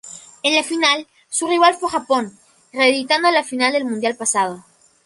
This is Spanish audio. En la final, su rival fue Japón, reeditando la final del Mundial pasado.